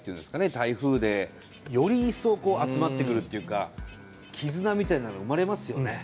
台風でより一層こう集まってくるっていうか絆みたいなの生まれますよね。